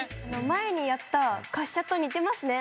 前にやった滑車と似てますね。